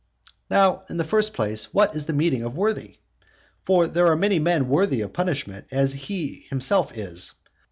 Now, in the first place, what is the meaning of "worthy?" For there are many men worthy of punishment, as he himself is.